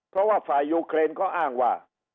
เพราะว่าฝ่ายยูเครนเขาอ้างว่า